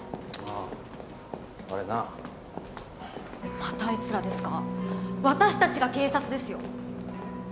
あぁあれなまたあいつらですか私たちが警察ですよ